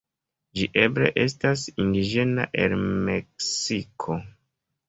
Ĝi eble estas indiĝena el Meksiko.